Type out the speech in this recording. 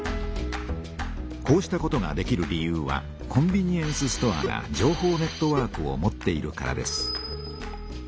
こうしたことができる理由はコンビニエンスストアが情報ネットワークを持っているからです。